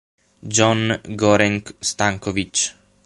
Jon Gorenc-Stanković